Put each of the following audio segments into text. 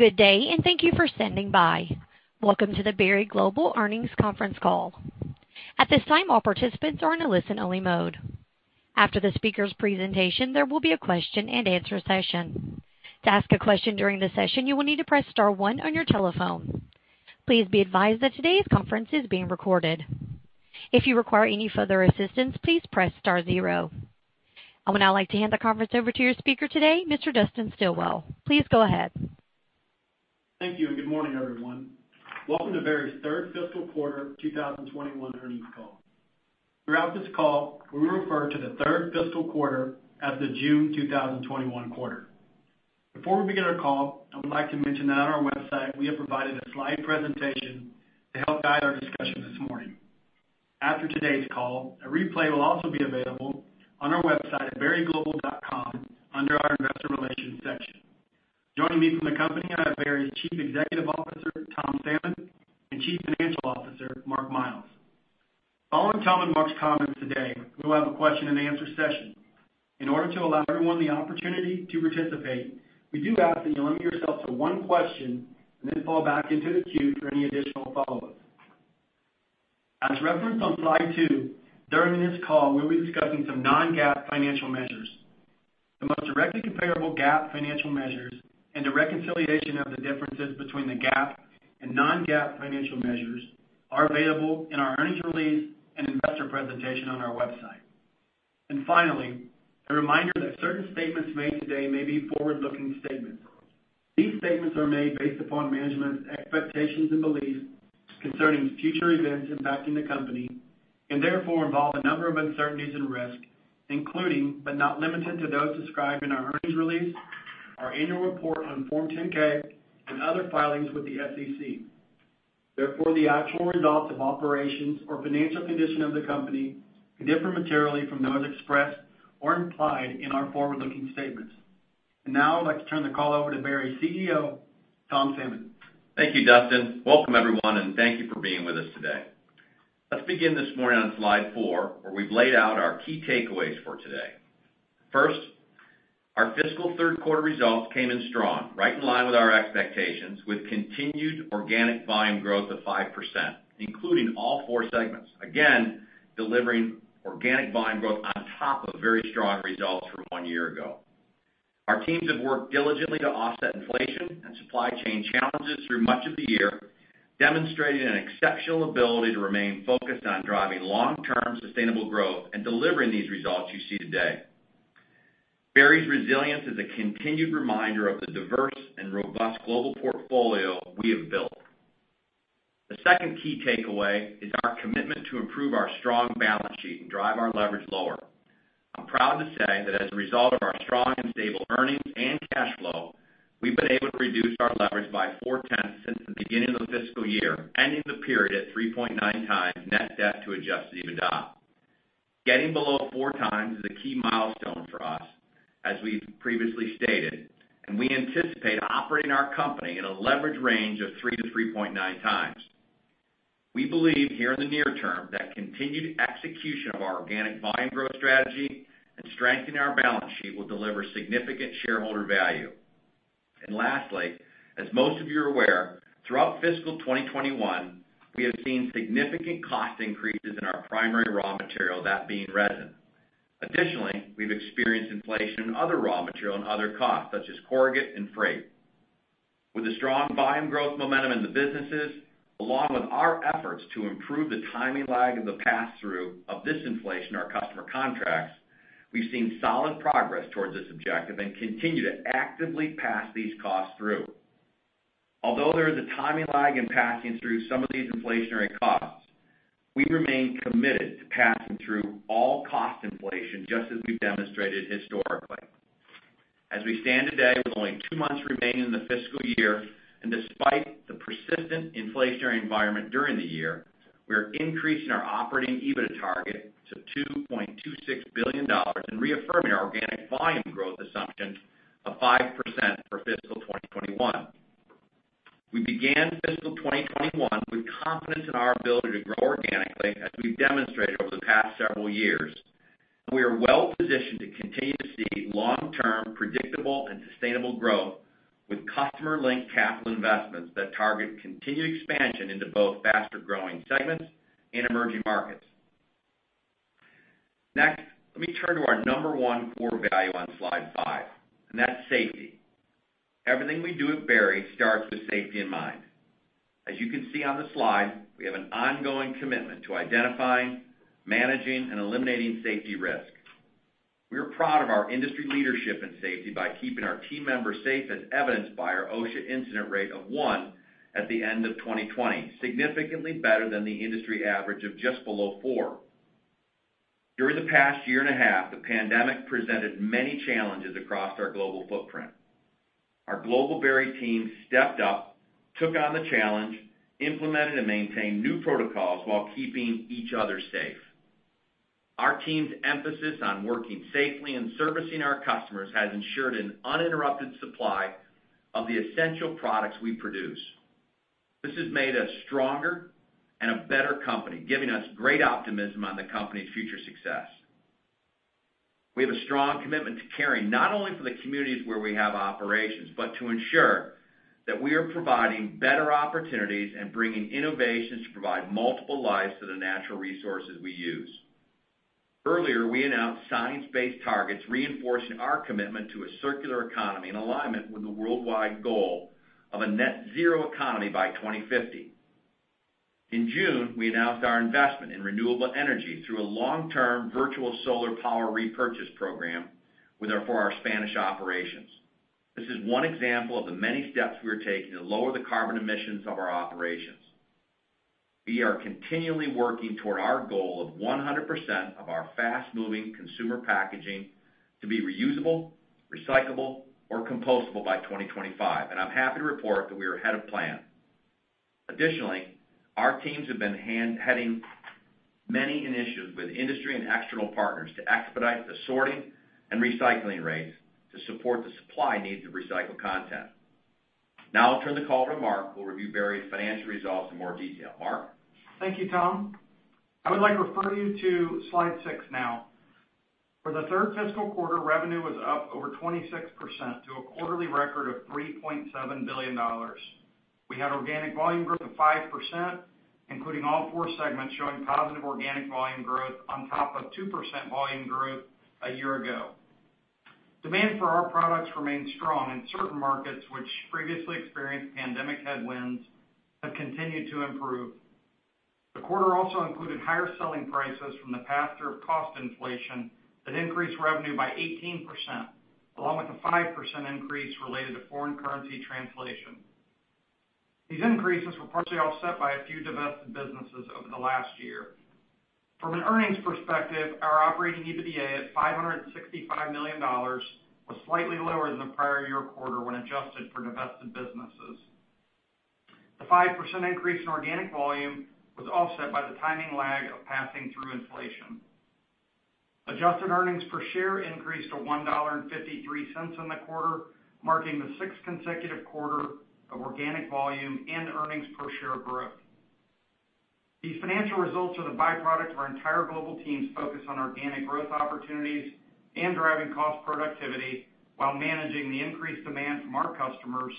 Good day, and thank you for standing by. Welcome to the Berry Global Earnings Conference Call. At this time all participants are in a listen only mode. After the speakers' presentation, there will be a question and answer session. To ask a question during the session, you need to press star then one on your telephone. Please be advise that today's call is being recorded. If you require further assistance, please press star zero. I would now like to hand the conference over to your speaker today, Mr. Dustin Stilwell. Please go ahead. Thank you. Good morning, everyone. Welcome to Berry's third fiscal quarter 2021 earnings call. Throughout this call, we will refer to the third fiscal quarter as the June 2021 quarter. Before we begin our call, I would like to mention that on our website, we have provided a slide presentation to help guide our discussion this morning. After today's call, a replay will also be available on our website at berryglobal.com under our investor relations section. Joining me from the company are Berry's Chief Executive Officer, Tom Salmon, and Chief Financial Officer, Mark Miles. Following Tom and Mark's comments today, we will have a question and answer session. In order to allow everyone the opportunity to participate, we do ask that you limit yourself to one question and then fall back into the queue for any additional follow-ups. As referenced on slide two, during this call, we'll be discussing some non-GAAP financial measures. The most directly comparable GAAP financial measures and a reconciliation of the differences between the GAAP and non-GAAP financial measures are available in our earnings release and investor presentation on our website. Finally, a reminder that certain statements made today may be forward-looking statements. These statements are made based upon management's expectations and beliefs concerning future events impacting the company, and therefore involve a number of uncertainties and risks, including, but not limited to, those described in our earnings release, our annual report on Form 10-K, and other filings with the SEC. Therefore, the actual results of operations or financial condition of the company may differ materially from those expressed or implied in our forward-looking statements. Now I'd like to turn the call over to Berry's CEO, Tom Salmon. Thank you, Dustin. Welcome everyone, and thank you for being with us today. Let's begin this morning on slide four, where we've laid out our key takeaways for today. First, our fiscal third quarter results came in strong, right in line with our expectations, with continued organic volume growth of 5%, including all four segments. Again, delivering organic volume growth on top of very strong results from one year ago. Our teams have worked diligently to offset inflation and supply chain challenges through much of the year, demonstrating an exceptional ability to remain focused on driving long-term sustainable growth and delivering these results you see today. Berry's resilience is a continued reminder of the diverse and robust global portfolio we have built. The second key takeaway is our commitment to improve our strong balance sheet and drive our leverage lower. I'm proud to say that as a result of our strong and stable earnings and cash flow, we've been able to reduce our leverage by 0.4x since the beginning of the fiscal year, ending the period at 3.9x net debt to adjusted EBITDA. Getting below 4x is a key milestone for us, as we've previously stated, we anticipate operating our company in a leverage range of 3x-3.9x. We believe here in the near term that continued execution of our organic volume growth strategy and strengthening our balance sheet will deliver significant shareholder value. Lastly, as most of you are aware, throughout fiscal 2021, we have seen significant cost increases in our primary raw material, that being resin. Additionally, we've experienced inflation in other raw material and other costs, such as corrugate and freight. With the strong volume growth momentum in the businesses, along with our efforts to improve the timing lag of the pass-through of this inflation in our customer contracts, we've seen solid progress towards this objective and continue to actively pass these costs through. Although there is a timing lag in passing through some of these inflationary costs, we remain committed to passing through all cost inflation, just as we've demonstrated historically. As we stand today, with only two months remaining in the fiscal year, and despite the persistent inflationary environment during the year, we are increasing our operating EBITDA target to $2.26 billion and reaffirming our organic volume growth assumptions of 5% for fiscal 2021. We began fiscal 2021 with confidence in our ability to grow organically, as we've demonstrated over the past several years. We are well-positioned to continue to see long-term, predictable, and sustainable growth with customer-linked capital investments that target continued expansion into both faster-growing segments and emerging markets. Next, let me turn to our number one core value on slide five, and that's safety. Everything we do at Berry starts with safety in mind. As you can see on the slide, we have an ongoing commitment to identifying, managing, and eliminating safety risk. We are proud of our industry leadership in safety by keeping our team members safe, as evidenced by our OSHA incident rate of one at the end of 2020, significantly better than the industry average of just below four. During the past 1.5 year, the pandemic presented many challenges across our global footprint. Our global Berry team stepped up, took on the challenge, implemented and maintained new protocols while keeping each other safe. Our team's emphasis on working safely and servicing our customers has ensured an uninterrupted supply of the essential products we produce. This has made us stronger and a better company, giving us great optimism on the company's future success. We have a strong commitment to caring, not only for the communities where we have operations, but to ensure that we are providing better opportunities and bringing innovations to provide multiple lives to the natural resources we use. Earlier, we announced science-based targets reinforcing our commitment to a circular economy in alignment with the worldwide goal of a net zero economy by 2050. In June, we announced our investment in renewable energy through a long-term virtual solar power repurchase program for our Spanish operations. This is one example of the many steps we are taking to lower the carbon emissions of our operations. We are continually working toward our goal of 100% of our fast-moving consumer packaging to be reusable, recyclable, or compostable by 2025, and I'm happy to report that we are ahead of plan. Additionally, our teams have been heading many initiatives with industry and external partners to expedite the sorting and recycling rates to support the supply needs of recycled content. Now I'll turn the call to Mark, who will review Berry's financial results in more detail. Mark? Thank you, Tom. I would like to refer you to slide six now. For the third fiscal quarter, revenue was up over 26% to a quarterly record of $3.7 billion. We had organic volume growth of 5%, including all four segments showing positive organic volume growth on top of 2% volume growth a year ago. Demand for our products remained strong in certain markets which previously experienced pandemic headwinds, but continued to improve. The quarter also included higher selling prices from the pass-through of cost inflation that increased revenue by 18%, along with a 5% increase related to foreign currency translation. These increases were partially offset by a few divested businesses over the last year. From an earnings perspective, our operating EBITDA at $565 million was slightly lower than the prior year quarter when adjusted for divested businesses. The 5% increase in organic volume was offset by the timing lag of passing through inflation. Adjusted earnings per share increased to $1.53 in the quarter, marking the sixth consecutive quarter of organic volume and earnings per share growth. These financial results are the byproduct of our entire global team's focus on organic growth opportunities and driving cost productivity while managing the increased demand from our customers,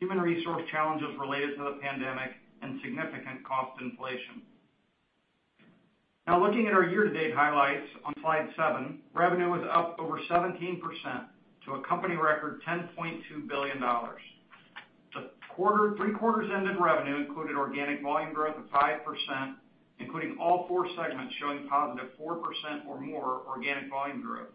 human resource challenges related to the pandemic, and significant cost inflation. Now looking at our year-to-date highlights on slide seven, revenue was up over 17% to a company record $10.2 billion. The three quarters ended revenue included organic volume growth of 5%, including all four segments showing positive 4% or more organic volume growth.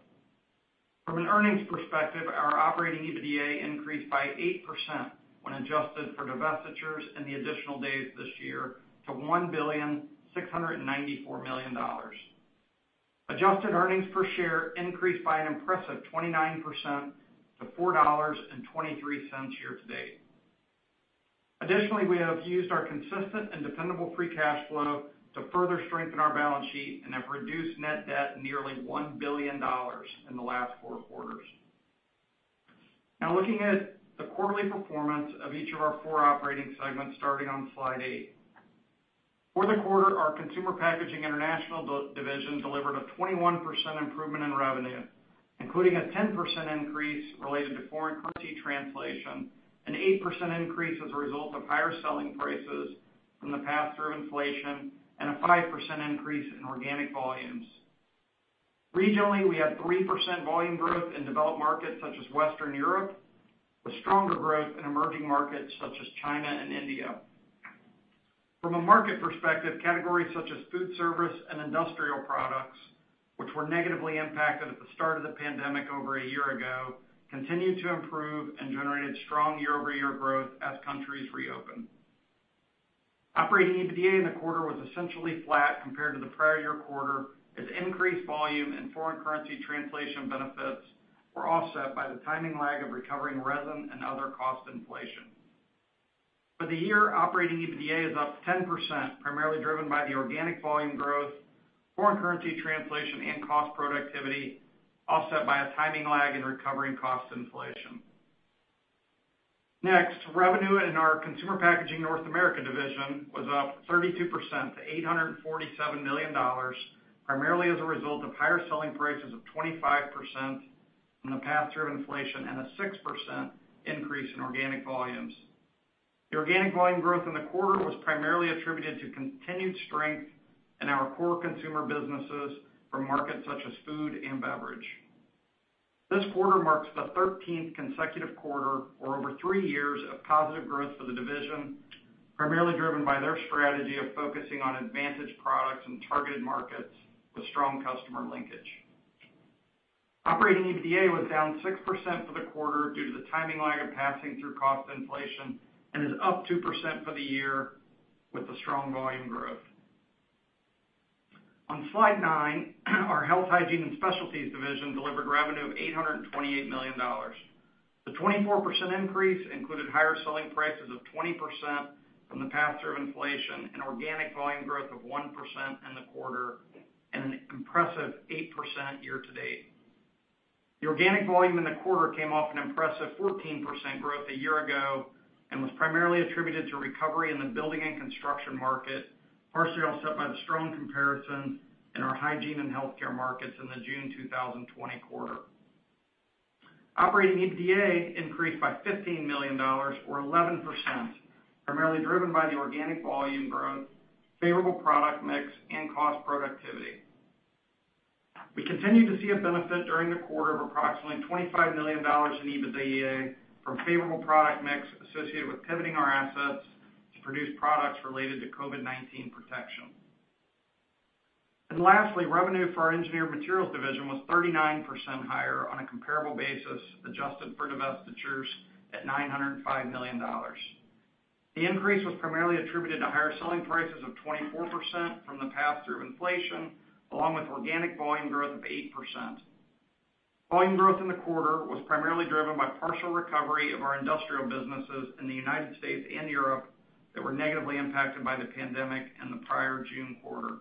From an earnings perspective, our operating EBITDA increased by 8% when adjusted for divestitures and the additional days this year to $1,694 million. Adjusted earnings per share increased by an impressive 29% to $4.23 year-to-date. Additionally, we have used our consistent and dependable free cash flow to further strengthen our balance sheet and have reduced net debt nearly $1 billion in the last four quarters. Looking at the quarterly performance of each of our four operating segments, starting on slide eight. For the quarter, our Consumer Packaging International division delivered a 21% improvement in revenue, including a 10% increase related to foreign currency translation, an 8% increase as a result of higher selling prices from the pass-through inflation, and a 5% increase in organic volumes. Regionally, we had 3% volume growth in developed markets such as Western Europe, with stronger growth in emerging markets such as China and India. From a market perspective, categories such as food service and industrial products, which were negatively impacted at the start of the pandemic over one year ago, continued to improve and generated strong year-over-year growth as countries reopen. operating EBITDA in the quarter was essentially flat compared to the prior year quarter, as increased volume and foreign currency translation benefits were offset by the timing lag of recovering resin and other cost inflation. For the year, operating EBITDA is up 10%, primarily driven by the organic volume growth, foreign currency translation, and cost productivity, offset by a timing lag in recovering cost inflation. Next, revenue in our Consumer Packaging North America division was up 32% to $847 million, primarily as a result of higher selling prices of 25% from the pass-through of inflation and a 6% increase in organic volumes. The organic volume growth in the quarter was primarily attributed to continued strength in our core consumer businesses for markets such as food and beverage. This quarter marks the 13th consecutive quarter, or over three years, of positive growth for the division, primarily driven by their strategy of focusing on advantage products and targeted markets with strong customer linkage. Operating EBITDA was down 6% for the quarter due to the timing lag of passing through cost inflation and is up 2% for the year with the strong volume growth. On slide nine, our Health, Hygiene and Specialties division delivered revenue of $828 million. The 24% increase included higher selling prices of 20% from the pass-through of inflation and organic volume growth of 1% in the quarter, and an impressive 8% year-to-date. The organic volume in the quarter came off an impressive 14% growth a year ago and was primarily attributed to recovery in the building and construction market, partially offset by the strong comparisons in our hygiene and healthcare markets in the June 2020 quarter. Operating EBITDA increased by $15 million or 11%, primarily driven by the organic volume growth, favorable product mix, and cost productivity. We continue to see a benefit during the quarter of approximately $25 million in EBITDA from favorable product mix associated with pivoting our assets to produce products related to COVID-19 protection. Lastly, revenue for our Engineered Materials division was 39% higher on a comparable basis, adjusted for divestitures at $905 million. The increase was primarily attributed to higher selling prices of 24% from the pass-through of inflation, along with organic volume growth of 8%. Volume growth in the quarter was primarily driven by partial recovery of our industrial businesses in the United States and Europe that were negatively impacted by the pandemic in the prior June quarter.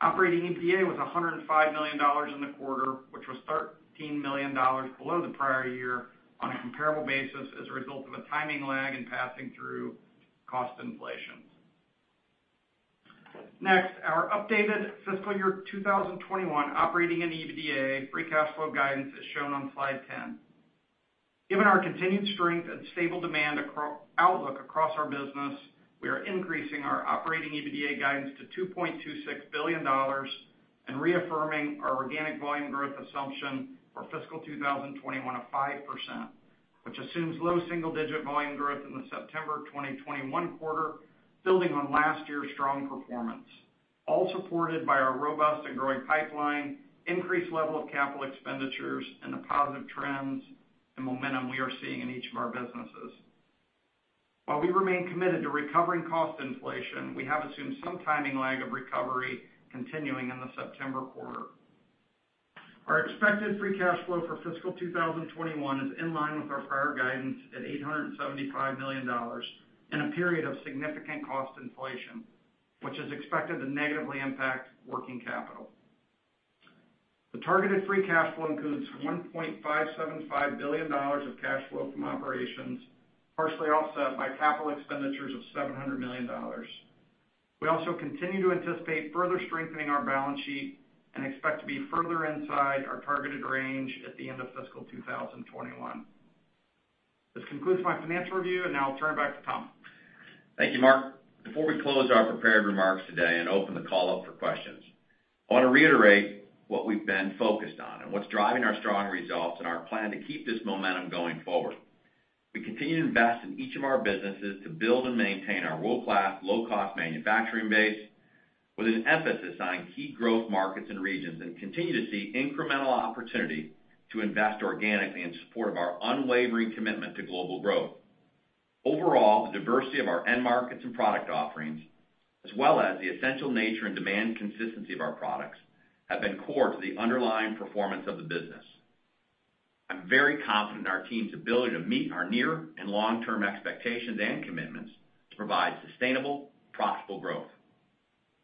Operating EBITDA was $105 million in the quarter, which was $13 million below the prior year on a comparable basis as a result of a timing lag in passing through cost inflation. Next, our updated fiscal year 2021 operating and EBITDA free cash flow guidance is shown on slide 10. Given our continued strength and stable demand outlook across our business, we are increasing our operating EBITDA guidance to $2.26 billion and reaffirming our organic volume growth assumption for fiscal 2021 of 5%, which assumes low single-digit volume growth in the September 2021 quarter, building on last year's strong performance, all supported by our robust and growing pipeline, increased level of capital expenditures, and the positive trends and momentum we are seeing in each of our businesses. While we remain committed to recovering cost inflation, we have assumed some timing lag of recovery continuing in the September quarter. Our expected free cash flow for fiscal 2021 is in line with our prior guidance at $875 million in a period of significant cost inflation, which is expected to negatively impact working capital. The targeted free cash flow includes $1.575 billion of cash flow from operations, partially offset by capital expenditures of $700 million. We also continue to anticipate further strengthening our balance sheet and expect to be further inside our targeted range at the end of fiscal 2021. This concludes my financial review, and now I'll turn it back to Tom. Thank you, Mark. Before we close our prepared remarks today and open the call up for questions, I want to reiterate what we've been focused on and what's driving our strong results and our plan to keep this momentum going forward. We continue to invest in each of our businesses to build and maintain our world-class low-cost manufacturing base with an emphasis on key growth markets and regions, and continue to see incremental opportunity to invest organically in support of our unwavering commitment to global growth. Overall, the diversity of our end markets and product offerings, as well as the essential nature and demand consistency of our products, have been core to the underlying performance of the business. I'm very confident in our team's ability to meet our near and long-term expectations and commitments to provide sustainable, profitable growth.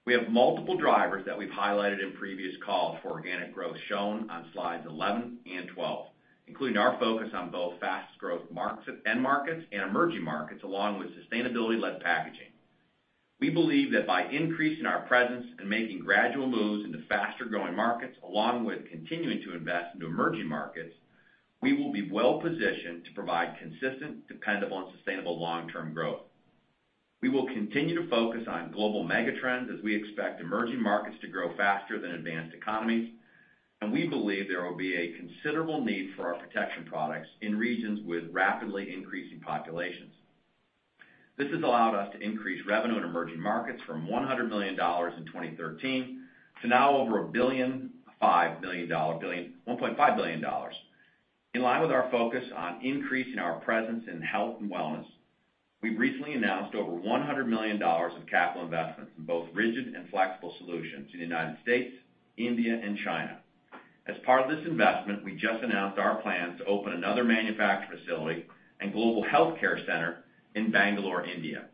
We have multiple drivers that we've highlighted in previous calls for organic growth shown on slides 11 and 12, including our focus on both fastest-growth end markets and emerging markets, along with sustainability-led packaging. We believe that by increasing our presence and making gradual moves into faster-growing markets, along with continuing to invest into emerging markets, we will be well-positioned to provide consistent, dependable, and sustainable long-term growth. We will continue to focus on global mega trends as we expect emerging markets to grow faster than advanced economies, and we believe there will be a considerable need for our protection products in regions with rapidly increasing populations. This has allowed us to increase revenue in emerging markets from $100 million in 2013 to now over $1.5 billion. In line with our focus on increasing our presence in health and wellness, we've recently announced over $100 million in capital investments in both rigid and flexible solutions in the United States, India, and China. As part of this investment, we just announced our plans to open another manufacturing facility and global healthcare center in Bangalore, India.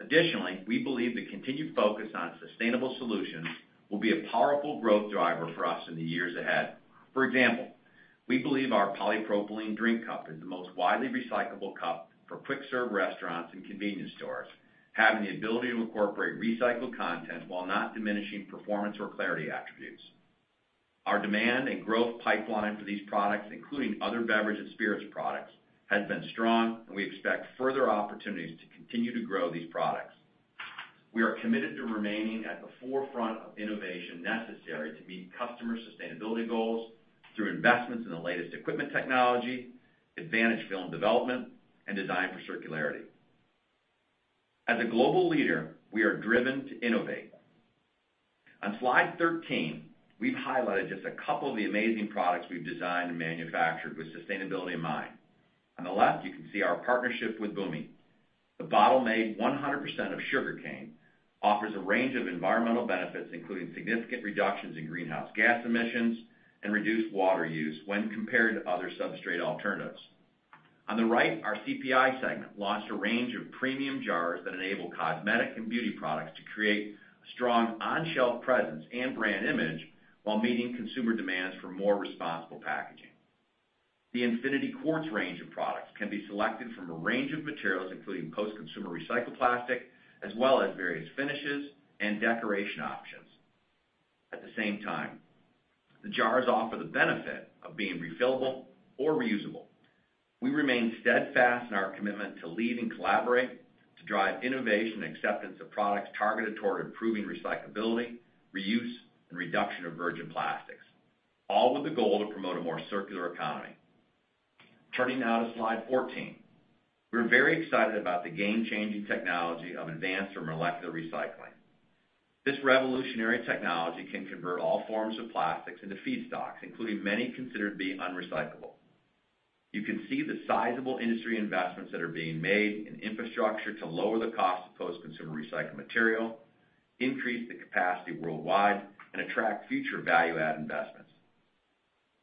Additionally, we believe the continued focus on sustainable solutions will be a powerful growth driver for us in the years ahead. For example, we believe our polypropylene drink cup is the most widely recyclable cup for quick-serve restaurants and convenience stores, having the ability to incorporate recycled content while not diminishing performance or clarity attributes. Our demand and growth pipeline for these products, including other beverage and spirits products, has been strong, and we expect further opportunities to continue to grow these products. We are committed to remaining at the forefront of innovation necessary to meet customer sustainability goals through investments in the latest equipment technology, advantage film development, and design for circularity. As a global leader, we are driven to innovate. On slide 13, we've highlighted just a couple of the amazing products we've designed and manufactured with sustainability in mind. On the left, you can see our partnership with Bhoomi. The bottle made 100% of sugarcane offers a range of environmental benefits, including significant reductions in greenhouse gas emissions and reduced water use when compared to other substrate alternatives. On the right, our CPI segment launched a range of premium jars that enable cosmetic and beauty products to create a strong on-shelf presence and brand image while meeting consumer demands for more responsible packaging. The Infinity Quartz range of products can be selected from a range of materials, including post-consumer recycled plastic, as well as various finishes and decoration options. At the same time, the jars offer the benefit of being refillable or reusable. We remain steadfast in our commitment to lead and collaborate, to drive innovation and acceptance of products targeted toward improving recyclability, reuse, and reduction of virgin plastics, all with the goal to promote a more circular economy. Turning now to slide 14. We're very excited about the game-changing technology of advanced or molecular recycling. This revolutionary technology can convert all forms of plastics into feedstocks, including many considered to be unrecyclable. You can see the sizable industry investments that are being made in infrastructure to lower the cost of post-consumer recycled material, increase the capacity worldwide, and attract future value-add investments.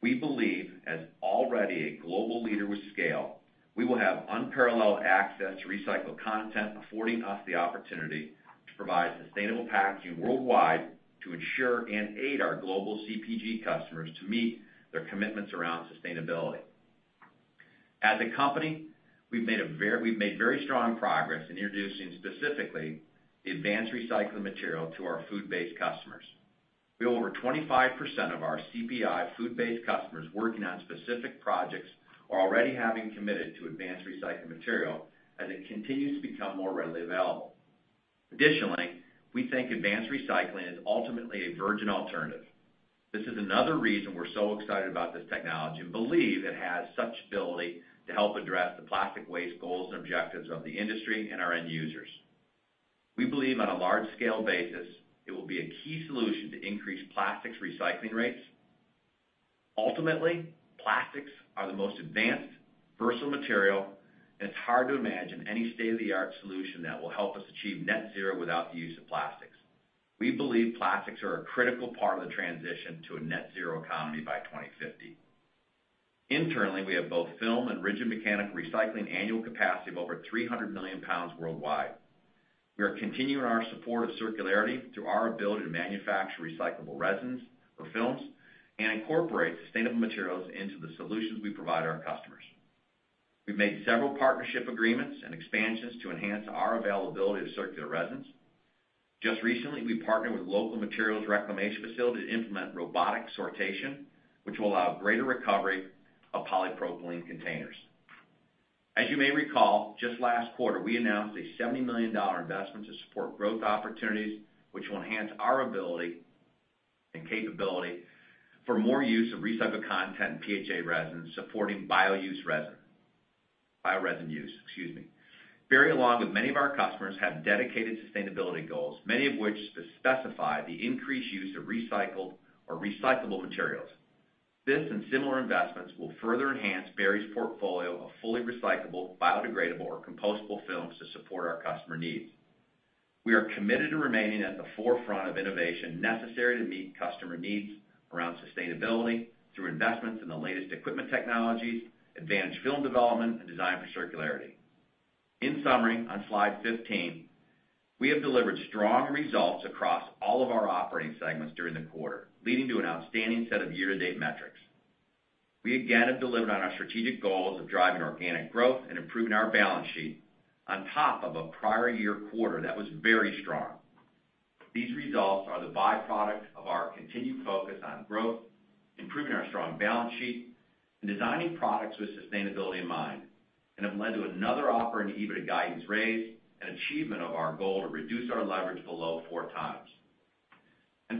We believe, as already a global leader with scale, we will have unparalleled access to recycled content, affording us the opportunity to provide sustainable packaging worldwide to ensure and aid our global CPG customers to meet their commitments around sustainability. As a company, we've made very strong progress in introducing, specifically, the advanced recycling material to our food-based customers. We have over 25% of our CPI food-based customers working on specific projects or already having committed to advanced recycled material as it continues to become more readily available. Additionally, we think advanced recycling is ultimately a virgin alternative. This is another reason we're so excited about this technology and believe it has such ability to help address the plastic waste goals and objectives of the industry and our end users. We believe on a large-scale basis, it will be a key solution to increase plastics recycling rates. Ultimately, plastics are the most advanced, versatile material, and it's hard to imagine any state-of-the-art solution that will help us achieve net zero without the use of plastics. We believe plastics are a critical part of the transition to a net zero economy by 2050. Internally, we have both film and rigid mechanical recycling annual capacity of over 300 million pounds worldwide. We are continuing our support of circularity through our ability to manufacture recyclable resins for films and incorporate sustainable materials into the solutions we provide our customers. We've made several partnership agreements and expansions to enhance our availability of circular resins. Just recently, we partnered with a local materials reclamation facility to implement robotic sortation, which will allow greater recovery of polypropylene containers. As you may recall, just last quarter, we announced a $70 million investment to support growth opportunities, which will enhance our ability and capability for more use of recycled content and PHA resin supporting bioresin use. Berry, along with many of our customers, have dedicated sustainability goals, many of which specify the increased use of recycled or recyclable materials. This and similar investments will further enhance Berry's portfolio of fully recyclable, biodegradable, or compostable films to support our customer needs. We are committed to remaining at the forefront of innovation necessary to meet customer needs around sustainability through investments in the latest equipment technologies, advanced film development, and design for circularity. In summary, on slide 15, we have delivered strong results across all of our operating segments during the quarter, leading to an outstanding set of year-to-date metrics. We again have delivered on our strategic goals of driving organic growth and improving our balance sheet on top of a prior year quarter that was very strong. These results are the by-product of our continued focus on growth, improving our strong balance sheet, and designing products with sustainability in mind, and have led to another operating EBITDA guidance raise and achievement of our goal to reduce our leverage below 4x.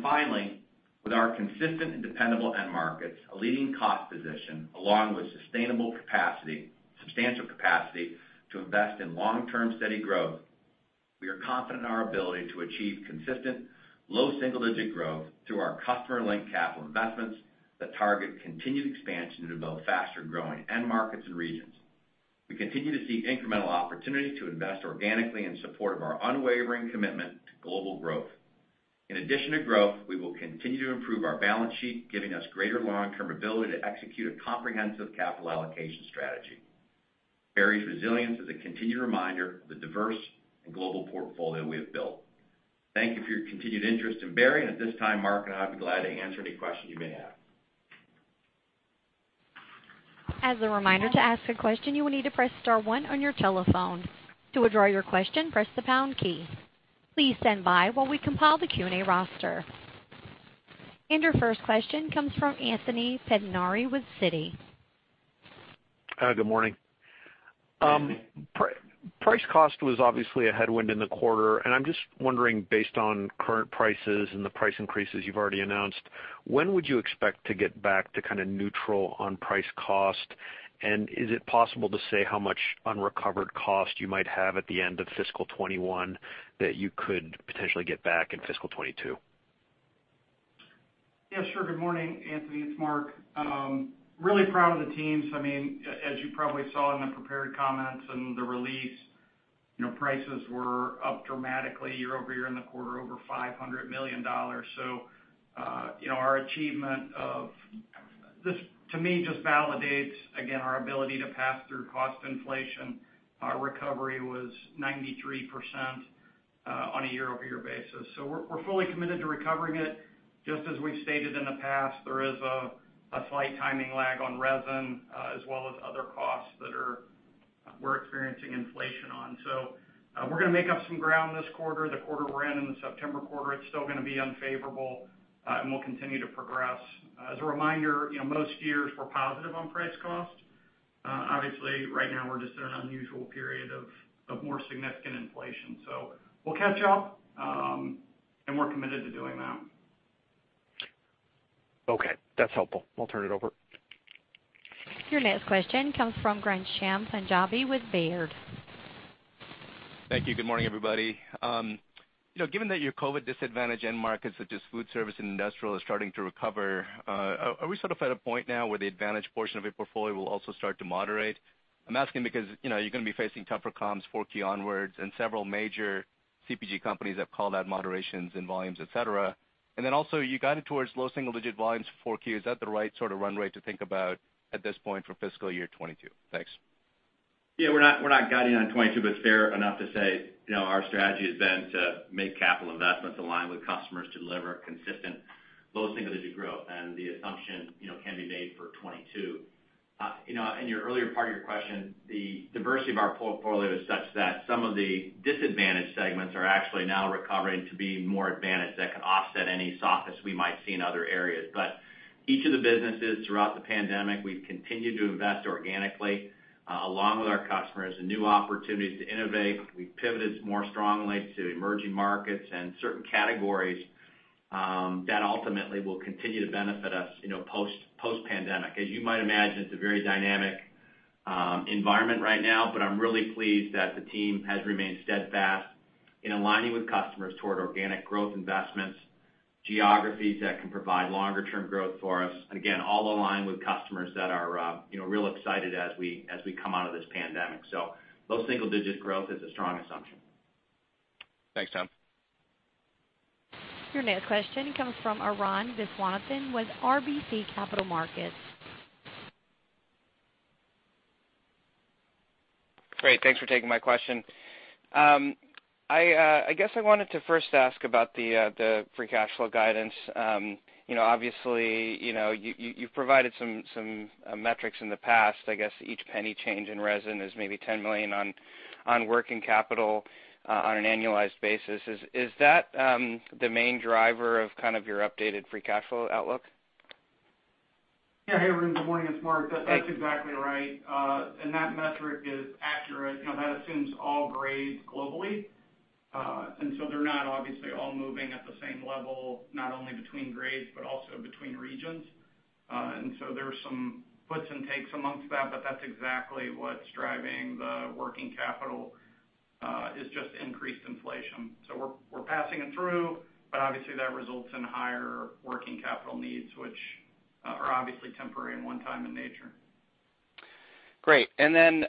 Finally, with our consistent and dependable end markets, a leading cost position, along with substantial capacity to invest in long-term steady growth, we are confident in our ability to achieve consistent low single-digit growth through our customer-linked capital investments that target continued expansion into both faster-growing end markets and regions. We continue to see incremental opportunities to invest organically in support of our unwavering commitment to global growth. In addition to growth, we will continue to improve our balance sheet, giving us greater long-term ability to execute a comprehensive capital allocation strategy. Berry's resilience is a continued reminder of the diverse and global portfolio we have built. Thank you for your continued interest in Berry, and at this time, Mark and I would be glad to answer any questions you may have. As a reminder, to ask a question, you will need to press star one on your telephone. To withdraw your question, press the pound key. Please stand by while we compile the Q&A roster. Your first question comes from Anthony Pettinari with Citi. Good morning. Price cost was obviously a headwind in the quarter. I'm just wondering, based on current prices and the price increases you've already announced, when would you expect to get back to kind of neutral on price cost? Is it possible to say how much unrecovered cost you might have at the end of fiscal 2021 that you could potentially get back in fiscal 2022? Yeah, sure. Good morning, Anthony. It's Mark. Really proud of the teams. As you probably saw in the prepared comments and the release. Prices were up dramatically year-over-year in the quarter, over $500 million. Our achievement of this, to me, just validates, again, our ability to pass through cost inflation. Our recovery was 93% on a year-over-year basis. We're fully committed to recovering it. Just as we've stated in the past, there is a slight timing lag on resin as well as other costs that we're experiencing inflation on. We're going to make up some ground this quarter. The quarter we're in the September quarter, it's still going to be unfavorable, and we'll continue to progress. As a reminder, most years we're positive on price cost. Obviously, right now we're just in an unusual period of more significant inflation. We'll catch up, and we're committed to doing that. Okay. That's helpful. We'll turn it over. Your next question comes from Ghansham Panjabi with Baird. Thank you. Good morning, everybody. Given that your COVID disadvantaged end markets, such as food service and industrial, are starting to recover, are we sort of at a point now where the advantaged portion of your portfolio will also start to moderate? I'm asking because you're going to be facing tougher comps 4Q onwards, and several major CPG companies have called out moderations in volumes, et cetera. You guided towards low single digit volumes for 4Q. Is that the right sort of run rate to think about at this point for fiscal year 2022? Thanks. Yeah. We're not guiding on 2022. It's fair enough to say our strategy has been to make capital investments aligned with customers to deliver consistent low single digit growth. The assumption can be made for 2022. In your earlier part of your question, the diversity of our portfolio is such that some of the disadvantaged segments are actually now recovering to be more advantaged. That can offset any softness we might see in other areas. Each of the businesses throughout the pandemic, we've continued to invest organically along with our customers and new opportunities to innovate. We pivoted more strongly to emerging markets and certain categories that ultimately will continue to benefit us post-pandemic. As you might imagine, it's a very dynamic environment right now, but I'm really pleased that the team has remained steadfast in aligning with customers toward organic growth investments, geographies that can provide longer term growth for us. And again, all aligned with customers that are real excited as we come out of this pandemic. Low single digit growth is a strong assumption. Thanks, Tom. Your next question comes from Arun Viswanathan with RBC Capital Markets. Great. Thanks for taking my question. I guess I wanted to first ask about the free cash flow guidance. Obviously, you've provided some metrics in the past. I guess each penny change in resin is maybe $10 million on working capital on an annualized basis. Is that the main driver of kind of your updated free cash flow outlook? Yeah. Hey, Arun. Good morning. It's Mark. That's exactly right. That metric is accurate. That assumes all grades globally. They're not obviously all moving at the same level, not only between grades but also between regions. There are some puts and takes amongst that, but that's exactly what's driving the working capital, is just increased inflation. We're passing it through, but obviously that results in higher working capital needs, which are obviously temporary and one time in nature. Great. Then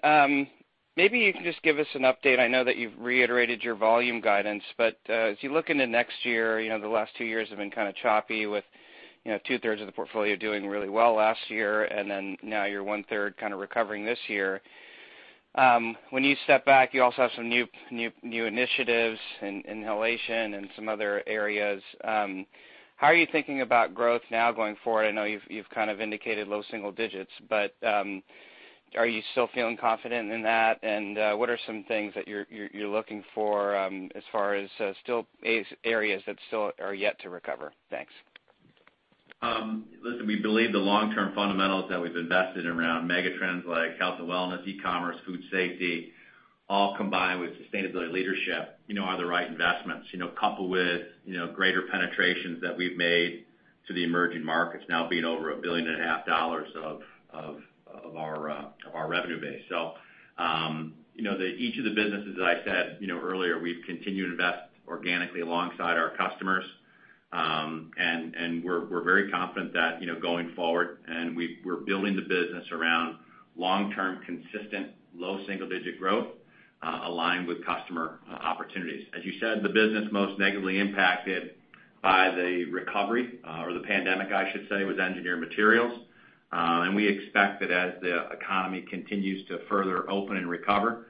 maybe you can just give us an update. I know that you've reiterated your volume guidance, but as you look into next year, the last two years have been kind of choppy with two thirds of the portfolio doing really well last year, and then now you're one third kind of recovering this year. When you step back, you also have some new initiatives in inhalation and some other areas. How are you thinking about growth now going forward? I know you've kind of indicated low single digits, but are you still feeling confident in that? What are some things that you're looking for as far as areas that still are yet to recover? Thanks. Listen, we believe the long-term fundamentals that we've invested around megatrends like health and wellness, e-commerce, food safety, all combined with sustainability leadership, are the right investments. Coupled with greater penetrations that we've made to the emerging markets now being over $1.5 billion of our revenue base. Each of the businesses, as I said earlier, we've continued to invest organically alongside our customers. We're very confident that going forward, and we're building the business around long-term, consistent, low single-digit growth aligned with customer opportunities. As you said, the business most negatively impacted by the recovery, or the pandemic, I should say, was Engineered Materials. We expect that as the economy continues to further open and recover,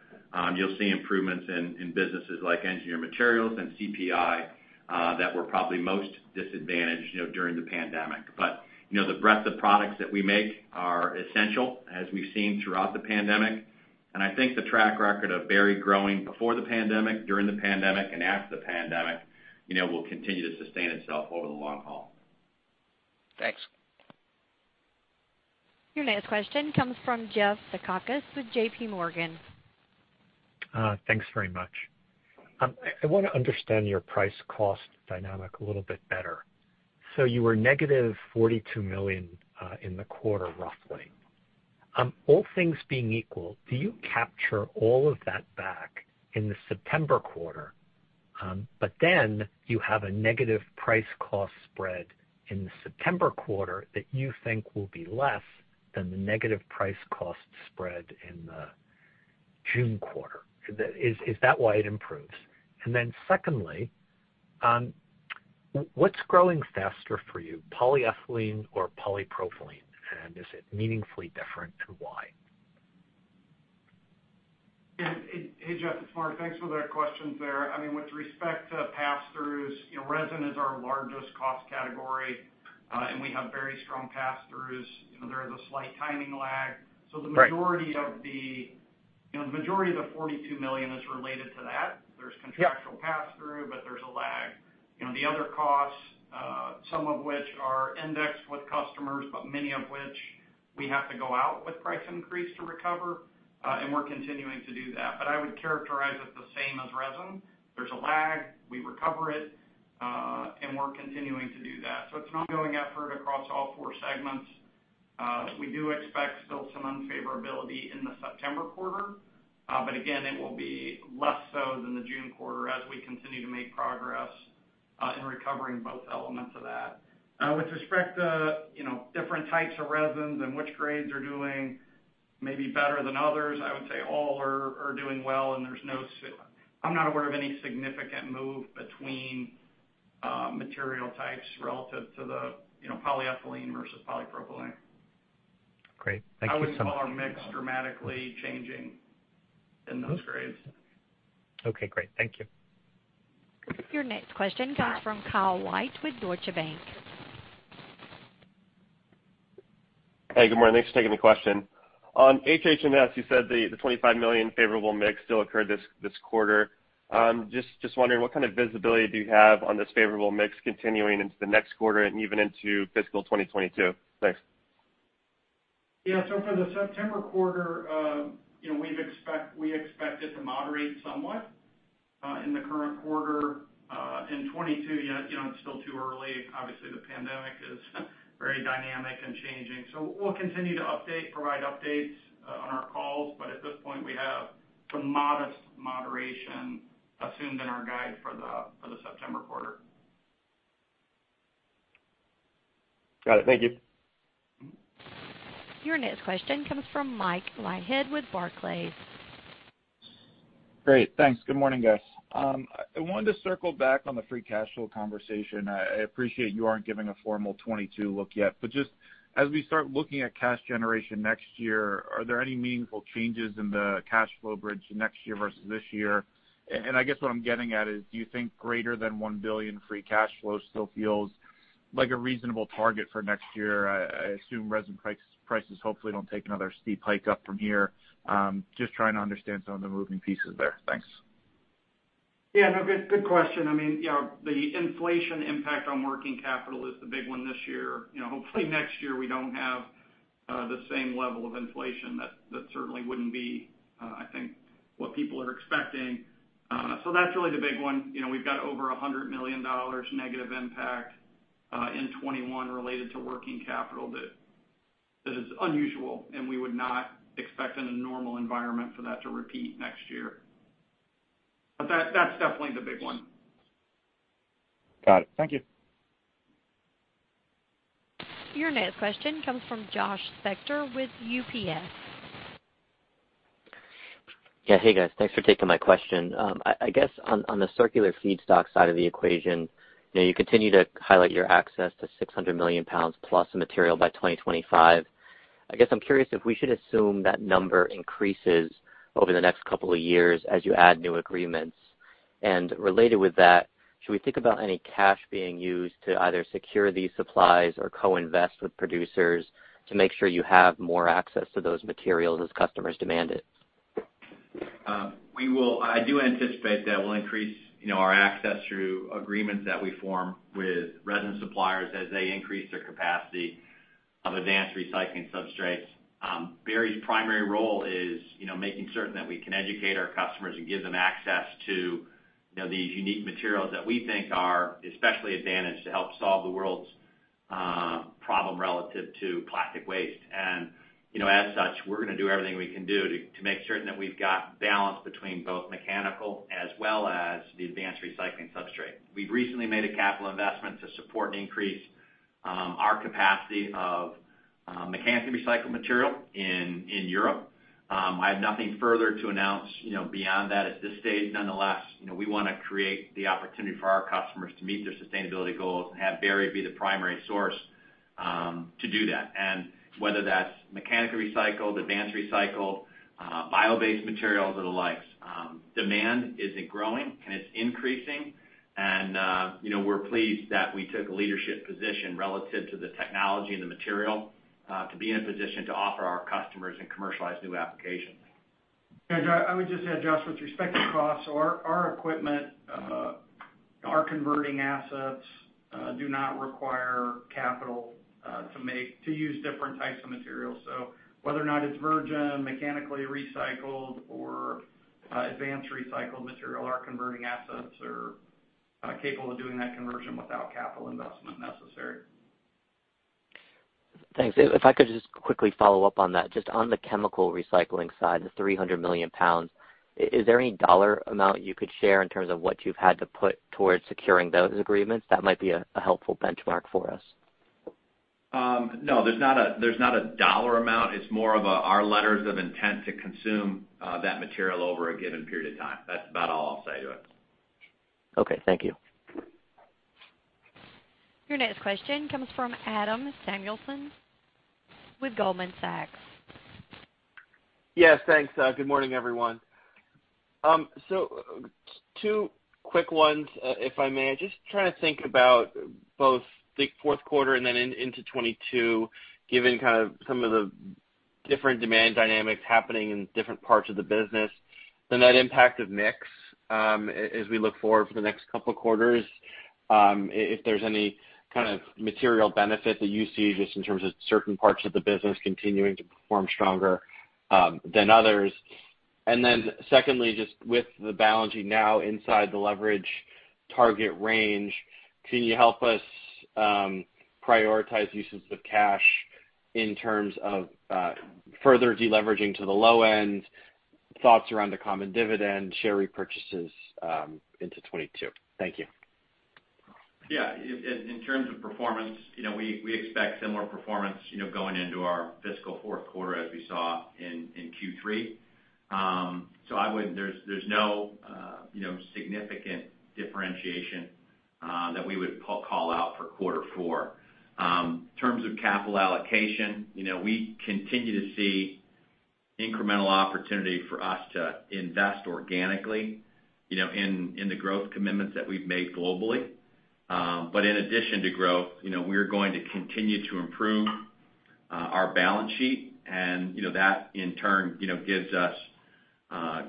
you'll see improvements in businesses like Engineered Materials and CPI that were probably most disadvantaged during the pandemic. The breadth of products that we make are essential, as we've seen throughout the pandemic. I think the track record of Berry growing before the pandemic, during the pandemic, and after the pandemic will continue to sustain itself over the long haul. Thanks. Your next question comes from Jeff Zekauskas with J.P. Morgan. Thanks very much. I want to understand your price cost dynamic a little bit better. You were negative $42 million in the quarter, roughly. All things being equal, do you capture all of that back in the September quarter? You have a negative price cost spread in the September quarter that you think will be less than the negative price cost spread in the June quarter. Is that why it improves? Secondly, what's growing faster for you, polyethylene or polypropylene? Is it meaningfully different, and why? Yeah. Hey, Jeff, it's Mark. Thanks for the questions there. With respect to pass-throughs, resin is our largest cost category, and we have very strong pass-throughs. There is a slight timing lag. Right. The majority of the $42 million is related to that. Pass-through. There's a lag. The other costs, some of which are indexed with customers, but many of which we have to go out with price increase to recover, and we're continuing to do that. I would characterize it the same as resin. There's a lag. We recover it. We're continuing to do that. It's an ongoing effort across all four segments. We do expect still some unfavorability in the September quarter. Again, it will be less so than the June quarter as we continue to make progress in recovering both elements of that. With respect to different types of resins and which grades are doing maybe better than others, I would say all are doing well, and I'm not aware of any significant move between material types relative to the polyethylene versus polypropylene. Great. Thank you so much. I wouldn't call our mix dramatically changing in those grades. Okay, great. Thank you. Your next question comes from Kyle White with Deutsche Bank. Hey, good morning. Thanks for taking the question. On HHS, you said the $25 million favorable mix still occurred this quarter. Just wondering, what kind of visibility do you have on this favorable mix continuing into the next quarter and even into fiscal 2022? Thanks. Yeah. For the September quarter, we expect it to moderate somewhat in the current quarter. In 2022, it's still too early. Obviously, the pandemic is very dynamic and changing. We'll continue to provide updates on our calls. At this point, we have some modest moderation assumed in our guide for the September quarter. Got it. Thank you. Your next question comes from Mike Leithead with Barclays. Great. Thanks. Good morning, guys. I wanted to circle back on the free cash flow conversation. I appreciate you aren't giving a formal 2022 look yet, but just as we start looking at cash generation next year, are there any meaningful changes in the cash flow bridge next year versus this year? I guess what I'm getting at is, do you think greater than $1 billion free cash flow still feels like a reasonable target for next year? I assume resin prices hopefully don't take another steep hike up from here. Just trying to understand some of the moving pieces there. Thanks. Yeah, no, good question. The inflation impact on working capital is the big one this year. Hopefully, next year, we don't have the same level of inflation. That certainly wouldn't be, I think, what people are expecting. That's really the big one. We've got over $100 million negative impact in 2021 related to working capital that is unusual, and we would not expect in a normal environment for that to repeat next year. That's definitely the big one. Got it. Thank you. Your next question comes from Josh Spector with UBS. Yeah. Hey, guys. Thanks for taking my question. I guess on the circular feedstock side of the equation, you continue to highlight your access to 600 million+ pounds of material by 2025. I guess I'm curious if we should assume that number increases over the next couple of years as you add new agreements. Related with that, should we think about any cash being used to either secure these supplies or co-invest with producers to make sure you have more access to those materials as customers demand it? I do anticipate that we'll increase our access through agreements that we form with resin suppliers as they increase their capacity of advanced recycling substrates. Berry's primary role is making certain that we can educate our customers and give them access to these unique materials that we think are especially advantaged to help solve the world's problem relative to plastic waste. As such, we're going to do everything we can do to make certain that we've got balance between both mechanical as well as the advanced recycling substrate. We've recently made a capital investment to support and increase our capacity of mechanically recycled material in Europe. I have nothing further to announce beyond that at this stage. Nonetheless, we want to create the opportunity for our customers to meet their sustainability goals and have Berry be the primary source to do that. Whether that's mechanically recycled, advanced recycled, bio-based materials, or the likes. Demand isn't growing, and it's increasing, and we're pleased that we took a leadership position relative to the technology and the material to be in a position to offer our customers and commercialize new applications. I would just add, Josh, with respect to costs, our equipment, our converting assets do not require capital to use different types of materials. Whether or not it's virgin, mechanically recycled, or advanced recycled material, our converting assets are capable of doing that conversion without capital investment necessary. Thanks. If I could just quickly follow up on that, just on the chemical recycling side, the 300 million pounds, is there any dollar amount you could share in terms of what you've had to put towards securing those agreements? That might be a helpful benchmark for us. No, there's not a dollar amount. It's more of our letters of intent to consume that material over a given period of time. That's about all I'll say to it. Okay, thank you. Your next question comes from Adam Samuelson with Goldman Sachs. Yes, thanks. Good morning, everyone. Two quick ones, if I may. Just trying to think about both the fourth quarter and then into 2022, given kind of some of the different demand dynamics happening in different parts of the business, the net impact of mix as we look forward for the next couple of quarters, if there's any kind of material benefit that you see just in terms of certain parts of the business continuing to perform stronger than others. Secondly, just with the balancing now inside the leverage target range, can you help us prioritize uses of cash in terms of further deleveraging to the low end, thoughts around the common dividend, share repurchases into 2022? Thank you. Yeah. In terms of performance, we expect similar performance going into our fiscal fourth quarter as we saw in Q3. There's no significant differentiation that we would call out for quarter four. In terms of capital allocation, we continue to see incremental opportunity for us to invest organically in the growth commitments that we've made globally. In addition to growth, we are going to continue to improve our balance sheet, and that in turn gives us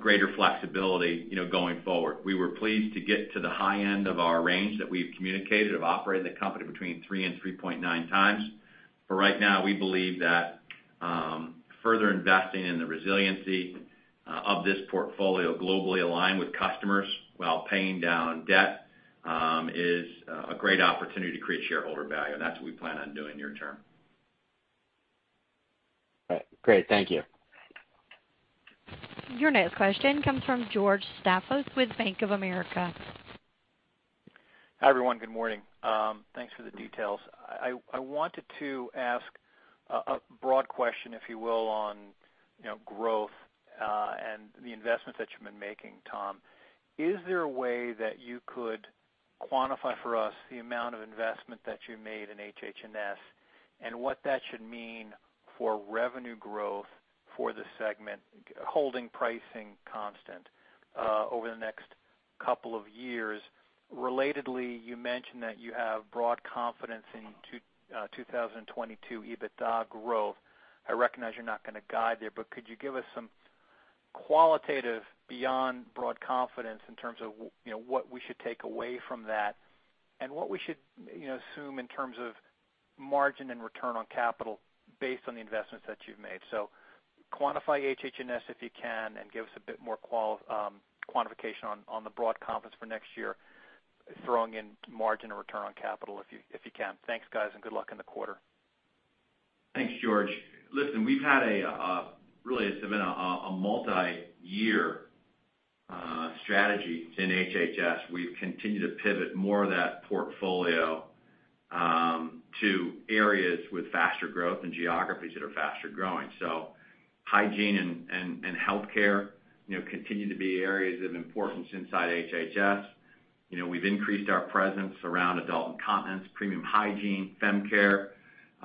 greater flexibility going forward. We were pleased to get to the high end of our range that we've communicated of operating the company between 3x and 3.9x. For right now, we believe that further investing in the resiliency of this portfolio globally aligned with customers while paying down debt is a great opportunity to create shareholder value. That's what we plan on doing near-term. All right, great. Thank you. Your next question comes from George Staphos with Bank of America. Hi, everyone. Good morning. Thanks for the details. I wanted to ask a broad question, if you will, on growth and the investments that you've been making, Tom. Is there a way that you could quantify for us the amount of investment that you made in HHS and what that should mean for revenue growth for the segment, holding pricing constant over the next couple of years? Relatedly, you mentioned that you have broad confidence in 2022 EBITDA growth. I recognize you're not going to guide there, but could you give us some qualitative beyond broad confidence in terms of what we should take away from that and what we should assume in terms of margin and return on capital based on the investments that you've made? Quantify HHS if you can, and give us a bit more quantification on the broad confidence for next year, throwing in margin and return on capital if you can. Thanks, guys, and good luck in the quarter. Thanks, George. Really it's been a multi-year strategy in HHS. We've continued to pivot more of that portfolio to areas with faster growth and geographies that are faster growing. Hygiene and healthcare continue to be areas of importance inside HHS. We've increased our presence around adult incontinence, premium hygiene, fem care.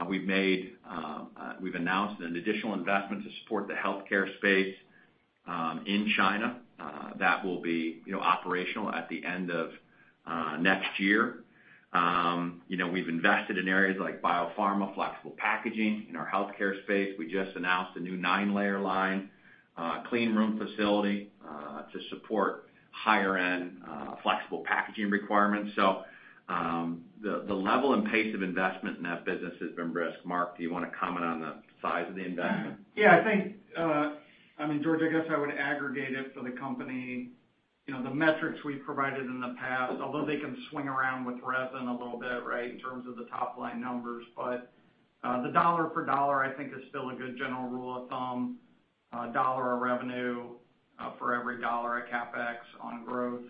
We've announced an additional investment to support the healthcare space in China that will be operational at the end of next year. We've invested in areas like biopharma, flexible packaging in our healthcare space. We just announced a new nine-layer line cleanroom facility to support higher-end flexible packaging requirements. The level and pace of investment in that business has been brisk. Mark, do you want to comment on the size of the investment? Yeah, I think, George, I guess I would aggregate it for the company. The metrics we've provided in the past, although they can swing around with resin a little bit, right? In terms of the top-line numbers. The dollar for dollar I think is still a good general rule of thumb. A dollar of revenue for every dollar of CapEx on growth.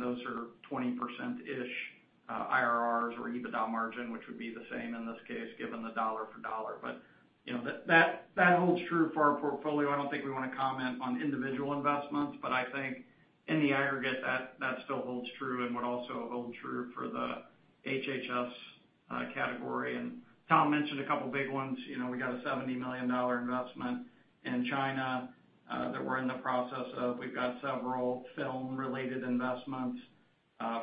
Those are 20%-ish IRR or EBITDA margin, which would be the same in this case, given the dollar for dollar. That holds true for our portfolio. I don't think we want to comment on individual investments, but I think in the aggregate, that still holds true and would also hold true for the HHS category. Tom mentioned a couple of big ones. We got a $70 million investment in China that we're in the process of. We've got several film-related investments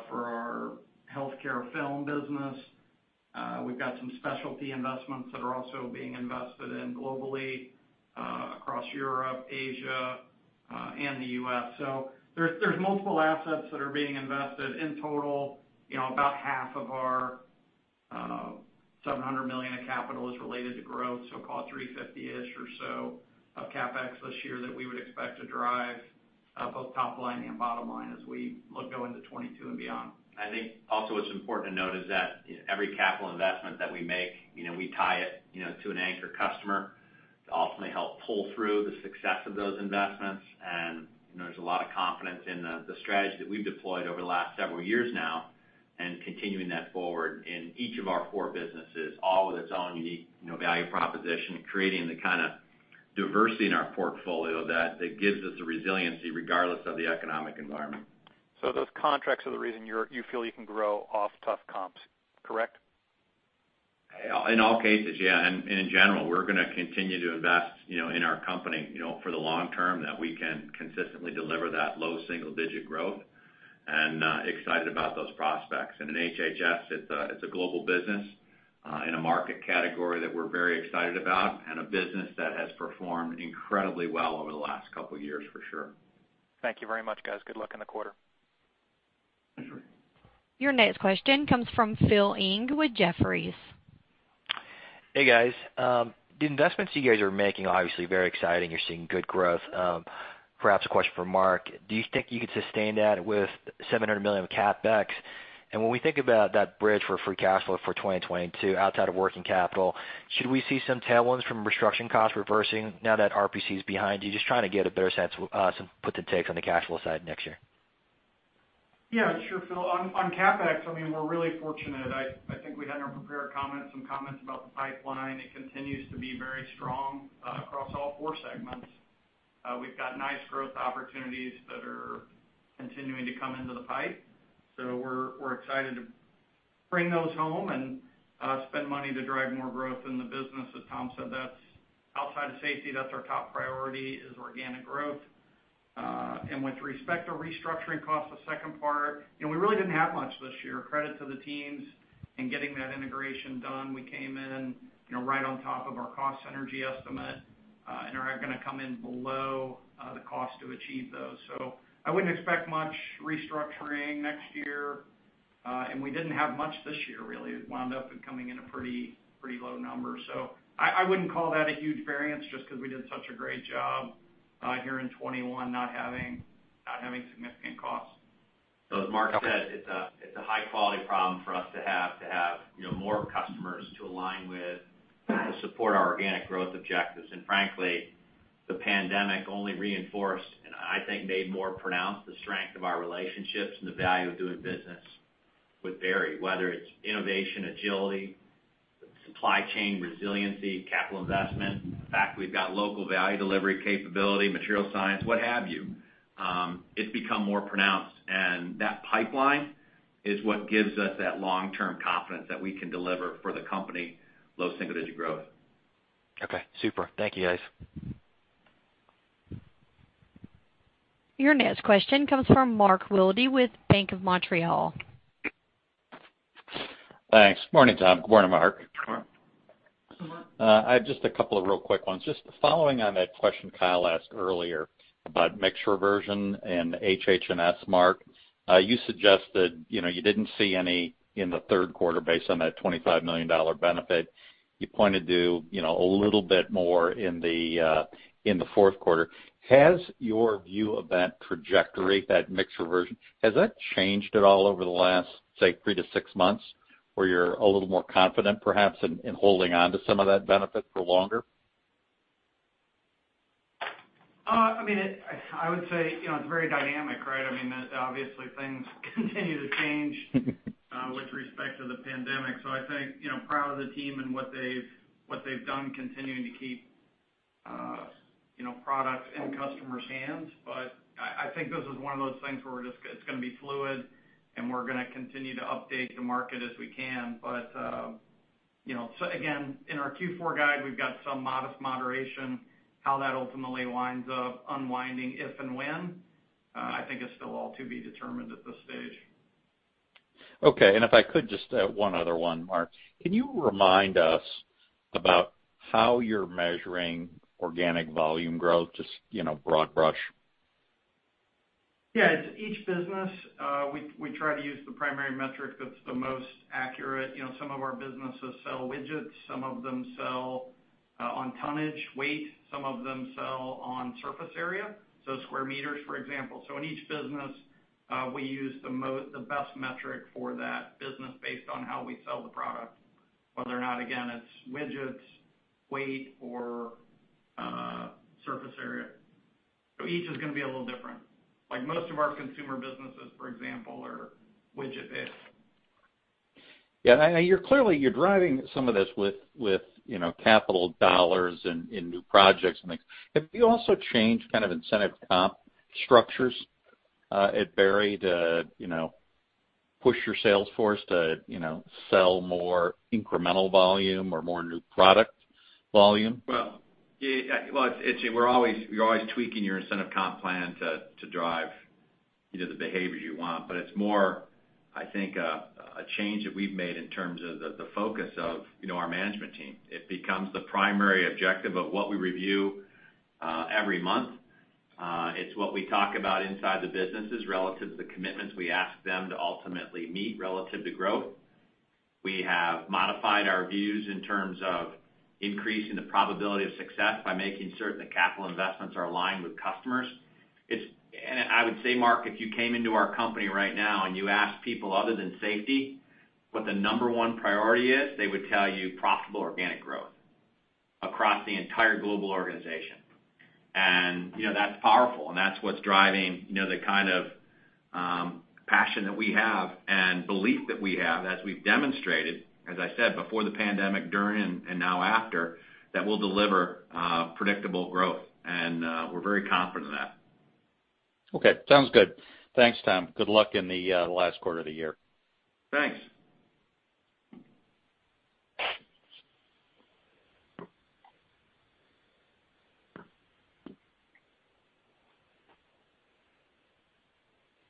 for our healthcare film business. We've got some specialty investments that are also being invested in globally across Europe, Asia, and the U.S. There's multiple assets that are being invested. In total, about half of our $700 million of capital is related to growth, call it $350 million-ish or so of CapEx this year that we would expect to drive both top line and bottom line as we go into 2022 and beyond. I think also what's important to note is that every capital investment that we make, we tie it to an anchor customer to ultimately help pull through the success of those investments. There's a lot of confidence in the strategy that we've deployed over the last several years now, and continuing that forward in each of our four businesses, all with its own unique value proposition, creating the kind of diversity in our portfolio that gives us the resiliency regardless of the economic environment. Those contracts are the reason you feel you can grow off tough comps, correct? In all cases, yeah. In general, we're going to continue to invest in our company for the long term, that we can consistently deliver that low single-digit growth, and excited about those prospects. In HHS, it's a global business in a market category that we're very excited about, and a business that has performed incredibly well over the last couple of years, for sure. Thank you very much, guys. Good luck in the quarter. Thank you. Your next question comes from Phil Ng with Jefferies. Hey, guys. The investments you guys are making, obviously very exciting. You're seeing good growth. Perhaps a question for Mark. Do you think you could sustain that with $700 million of CapEx? When we think about that bridge for free cash flow for 2022, outside of working capital, should we see some tailwinds from restructuring costs reversing now that RPC is behind you? Just trying to get a better sense and put the takes on the cash flow side next year. Sure, Phil. On CapEx, we're really fortunate. I think we had in our prepared comments some comments about the pipeline. It continues to be very strong across all four segments. We've got nice growth opportunities that are continuing to come into the pipe. We're excited to bring those home and spend money to drive more growth in the business. As Tom said, outside of safety, that's our top priority is organic growth. With respect to restructuring costs, the second part, we really didn't have much this year. Credit to the teams in getting that integration done. We came in right on top of our cost synergy estimate, and are going to come in below the cost to achieve those. I wouldn't expect much restructuring next year. We didn't have much this year, really. It wound up coming in a pretty low number. I wouldn't call that a huge variance just because we did such a great job here in 2021, not having significant costs. As Mark said, it's a high-quality problem for us to have more customers to align with to support our organic growth objectives. Frankly, the pandemic only reinforced, and I think made more pronounced the strength of our relationships and the value of doing business with Berry. Whether it's innovation, agility, supply chain resiliency, capital investment, the fact we've got local value delivery capability, material science, what have you. It's become more pronounced. That pipeline is what gives us that long-term confidence that we can deliver for the company low single-digit growth. Okay, super. Thank you, guys. Your next question comes from Mark Wilde with Bank of Montreal. Thanks. Morning, Tom. Good morning, Mark. Good morning. Good morning. I have just a couple of real quick ones. Just following on that question Kyle asked earlier about mix reversion and HHS, Mark. You suggested you didn't see any in the third quarter based on that $25 million benefit. You pointed to a little bit more in the fourth quarter. Has your view of that trajectory, that mix reversion, has that changed at all over the last, say, three to six months, where you're a little more confident perhaps in holding onto some of that benefit for longer? I would say it's very dynamic, right? Obviously things continue to change with respect to the pandemic. I think, proud of the team and what they've done continuing to keep products in customers' hands. I think this is one of those things where it's going to be fluid, and we're going to continue to update the market as we can. Again, in our Q4 guide, we've got some modest moderation. How that ultimately winds up unwinding, if and when, I think is still all to be determined at this stage. Okay. If I could, just one other one, Mark. Can you remind us about how you're measuring organic volume growth, just broad brush? Yeah. It's each business, we try to use the primary metric that's the most accurate. Some of our businesses sell widgets, some of them sell on tonnage, weight, some of them sell on surface area, so square meter, for example. In each business, we use the best metric for that business based on how we sell the product, whether or not, again, it's widgets, weight, or surface area. Each is going to be a little different. Most of our consumer businesses, for example, are widget-based. Yeah. Clearly, you're driving some of this with capital dollars in new projects and things. Have you also changed incentive comp structures at Berry to push your sales force to sell more incremental volume or more new product volume? Well, you're always tweaking your incentive comp plan to drive the behavior you want. It's more, I think, a change that we've made in terms of the focus of our management team. It becomes the primary objective of what we review every month. It's what we talk about inside the businesses relative to the commitments we ask them to ultimately meet relative to growth. We have modified our views in terms of increasing the probability of success by making certain that capital investments are aligned with customers. I would say, Mark, if you came into our company right now and you asked people other than safety, what the number one priority is, they would tell you profitable organic growth across the entire global organization. That's powerful, and that's what's driving the kind of passion that we have and belief that we have, as we've demonstrated, as I said, before the pandemic, during, and now after, that we'll deliver predictable growth. We're very confident in that. Okay. Sounds good. Thanks, Tom. Good luck in the last quarter of the year. Thanks.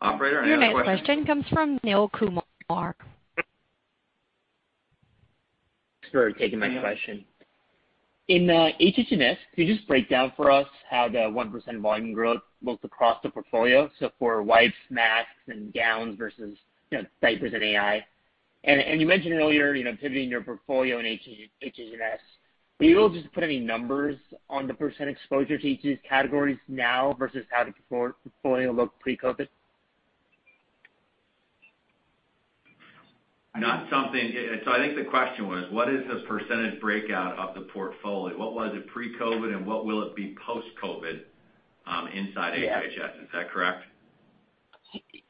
Operator, another question. Your next question comes from Neel Kumar. Thanks for taking my question. In HHS, can you just break down for us how the 1% volume growth looks across the portfolio? For wipes, masks, and gowns versus diapers and AI. You mentioned earlier pivoting your portfolio in HHS. Were you able to just put any numbers on the percent exposure to each of these categories now versus how the portfolio looked pre-COVID? I think the question was, what is the percentage breakout of the portfolio? What was it pre-COVID, and what will it be post-COVID inside HHS? Is that correct?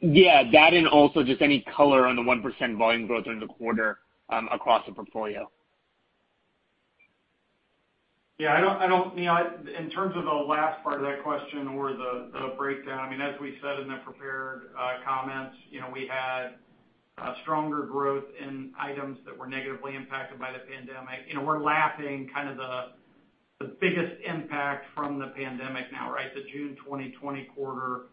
Yeah, that and also just any color on the 1% volume growth during the quarter across the portfolio. In terms of the last part of that question or the breakdown, as we said in the prepared comments, we had stronger growth in items that were negatively impacted by the pandemic. We're lapping kind of the biggest impact from the pandemic now, right? The June 2020 quarter,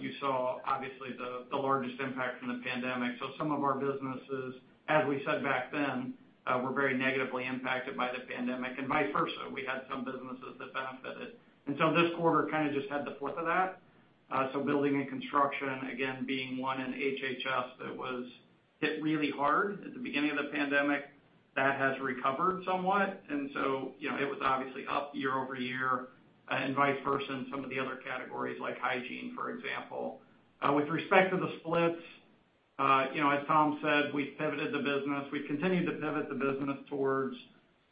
you saw, obviously, the largest impact from the pandemic. Some of our businesses, as we said back then, were very negatively impacted by the pandemic. Vice versa, we had some businesses that benefited. This quarter kind of just had the fourth of that. Building and construction, again, being one in HHS that was hit really hard at the beginning of the pandemic, that has recovered somewhat. It was obviously up year-over-year, and vice versa in some of the other categories, like hygiene, for example. With respect to the splits, as Tom said, we've pivoted the business. We've continued to pivot the business towards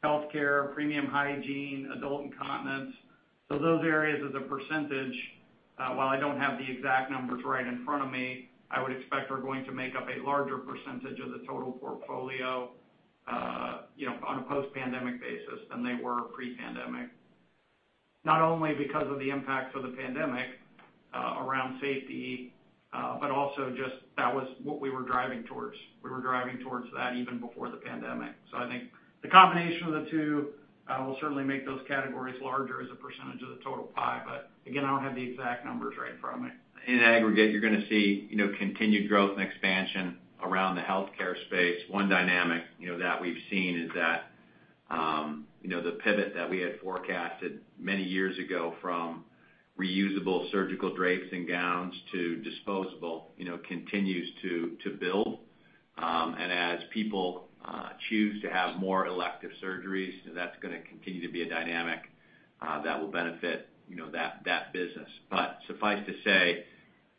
healthcare, premium hygiene, adult incontinence. Those areas as a percentage, while I don't have the exact numbers right in front of me, I would expect are going to make up a larger percentage of the total portfolio, on a post-pandemic basis than they were pre-pandemic. Not only because of the impact of the pandemic around safety, also just that was what we were driving towards. We were driving towards that even before the pandemic. I think the combination of the two will certainly make those categories larger as a percentage of the total pie. Again, I don't have the exact numbers right in front of me. In aggregate, you're gonna see continued growth and expansion around the healthcare space. One dynamic that we've seen is that the pivot that we had forecasted many years ago from reusable surgical drapes and gowns to disposable continues to build. As people choose to have more elective surgeries, that's gonna continue to be a dynamic that will benefit that business. Suffice to say,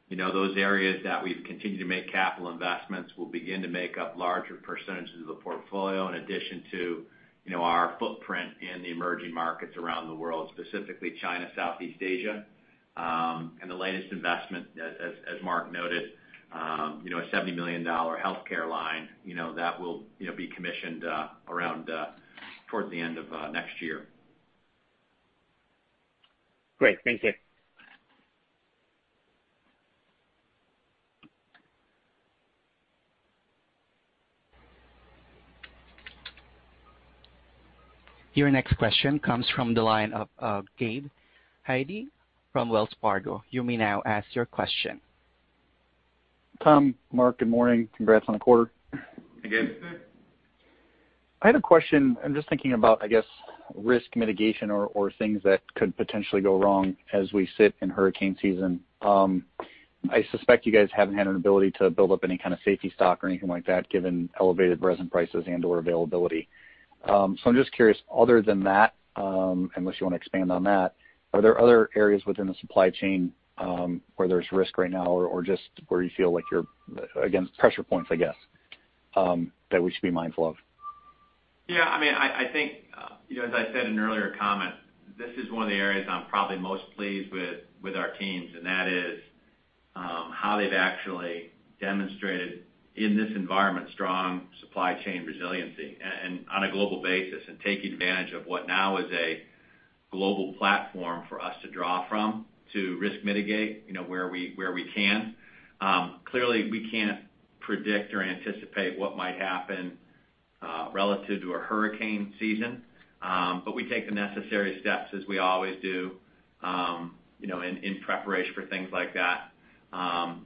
those areas that we've continued to make capital investments will begin to make up larger percentages of the portfolio, in addition to our footprint in the emerging markets around the world, specifically China, Southeast Asia. The latest investment, as Mark noted, a $70 million healthcare line, that will be commissioned towards the end of next year. Great. Thank you. Your next question comes from the line of Gabe Hajde from Wells Fargo. You may now ask your question. Tom, Mark, good morning. Congrats on the quarter. Hey, Gabe. Hey. I had a question. I'm just thinking about, I guess, risk mitigation or things that could potentially go wrong as we sit in hurricane season. I suspect you guys haven't had an ability to build up any kind of safety stock or anything like that, given elevated resin prices and/or availability. I'm just curious, other than that, unless you want to expand on that, are there other areas within the supply chain where there's risk right now, or just where you feel like you're against pressure points, I guess, that we should be mindful of? I think, as I said in an earlier comment, this is one of the areas I'm probably most pleased with our teams, and that is how they've actually demonstrated in this environment, strong supply chain resiliency and on a global basis, and taking advantage of what now is a global platform for us to draw from to risk mitigate where we can. Clearly, we can't predict or anticipate what might happen relative to a hurricane season. We take the necessary steps as we always do in preparation for things like that.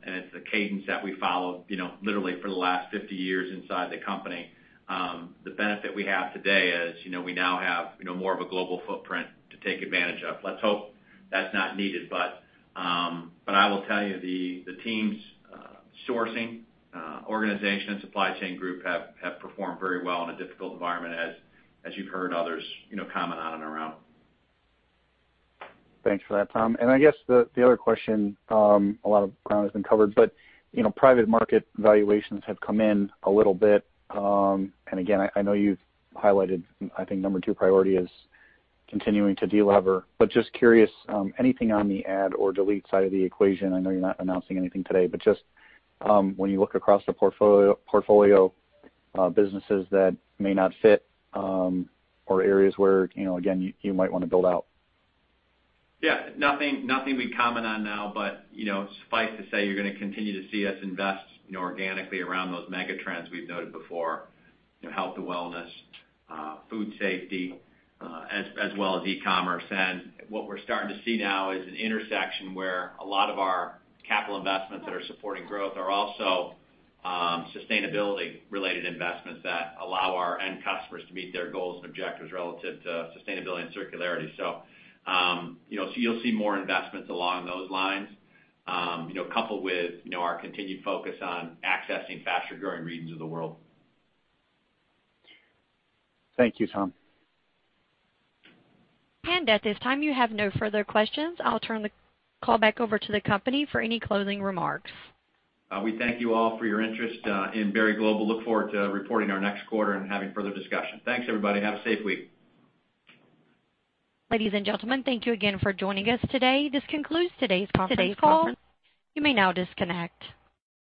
It's a cadence that we followed literally for the last 50 years inside the company. The benefit we have today is we now have more of a global footprint to take advantage of. Let's hope that's not needed. I will tell you, the teams sourcing, organization, and supply chain group have performed very well in a difficult environment as you've heard others comment on around. Thanks for that, Tom. I guess the other question, a lot of ground has been covered, but private market valuations have come in a little bit. Again, I know you've highlighted, I think number two priority is continuing to delever. Just curious, anything on the add or delete side of the equation? I know you're not announcing anything today, but just when you look across the portfolio, businesses that may not fit or areas where, again, you might want to build out. Yeah, nothing we'd comment on now, but suffice to say, you're gonna continue to see us invest organically around those mega trends we've noted before. Health and wellness, food safety, as well as e-commerce. What we're starting to see now is an intersection where a lot of our capital investments that are supporting growth are also sustainability related investments that allow our end customers to meet their goals and objectives relative to sustainability and circularity. You'll see more investments along those lines, coupled with our continued focus on accessing faster-growing regions of the world. Thank you, Tom. At this time, you have no further questions. I'll turn the call back over to the company for any closing remarks. We thank you all for your interest in Berry Global. Look forward to reporting our next quarter and having further discussion. Thanks, everybody. Have a safe week. Ladies and gentlemen, thank you again for joining us today. This concludes today's conference call. You may now disconnect.